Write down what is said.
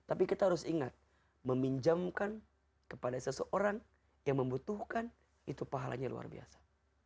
tapi kita harus ingat meminjamkan kepada seseorang yang membutuhkan itu pahalanya luar biasa